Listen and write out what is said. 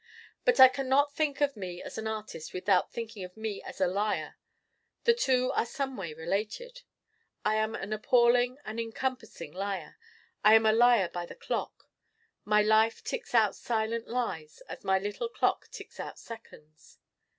But I can not think of me as an Artist without thinking of me as a Liar. The two are someway related. I am an appalling, an encompassing Liar. I am a Liar by the clock. My life ticks out silent lies as my little clock ticks out seconds.